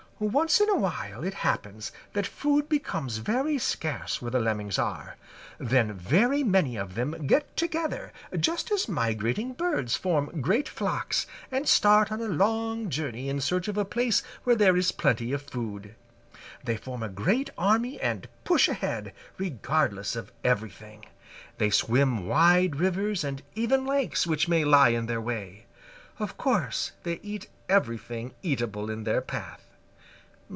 "Once in a while it happens that food becomes very scarce where the Lemmings are. Then very many of them get together, just as migrating birds form great flocks, and start on a long journey in search of a place where there is plenty of food. They form a great army and push ahead, regardless of everything. They swim wide rivers and even lakes which may lie in their way. Of course, they eat everything eatable in their path."